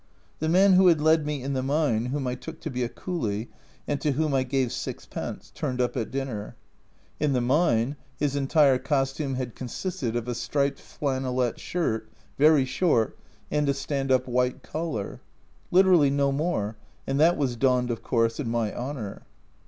The man who had led me in the mine, whom I took to be a coolie, and to whom I gave sixpence, turned up at dinner. In the mine his entire costume had consisted of a striped flannelette shirt, very short, A Journal from Japan 43 and a stand up white collar !! Literally no more, and that was donned of course in my honour.